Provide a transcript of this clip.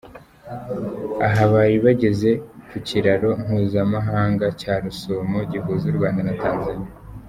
Aha bari bageze ku kiraro mpuzamahanga cya Rusumo gihuza u Rwanda na Tanzania.